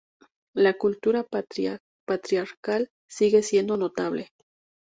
La cultura patriarcal sigue siendo notable.